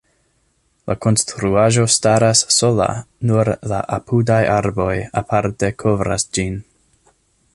La konstruaĵo staras sola, nur la apudaj arboj parte kovras ĝin.